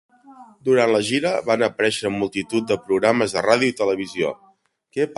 Durant la gira, van aparèixer en multitud de programes de ràdio i televisió.